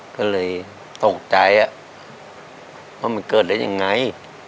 ก็เลยตกใจว่ามันเกิดได้ยังไง